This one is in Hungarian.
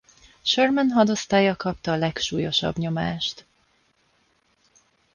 Sherman hadosztálya kapta a legsúlyosabb nyomást.